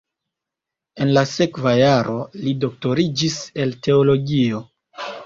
En la sekva jaro li doktoriĝis el teologio.